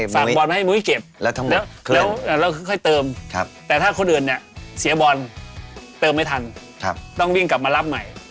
บอลมาให้มุ้ยเก็บแล้วค่อยเติมแต่ถ้าคนอื่นเนี่ยเสียบอลเติมไม่ทันต้องวิ่งกลับมารับใหม่